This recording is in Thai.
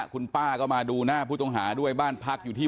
คุณป้าก็มาดูหน้าผู้ต้องหาด้วยบ้านพักอยู่ที่